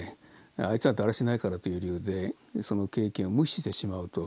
あいつはだらしないからという理由でその経験を無視してしまうと。